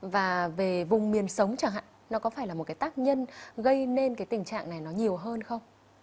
và về vùng miền sống chẳng hạn nó có phải là một tác nhân gây nên tình trạng này nhiều hơn không